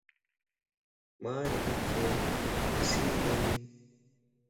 مان ھنک ڏسين وين